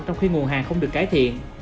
trong khi nguồn hàng không được cải thiện